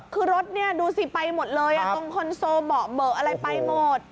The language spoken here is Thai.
คือรถนี่ดูสิไปหมดเลยตรงคอนโซลเบาะเบอะอะไรไปหมด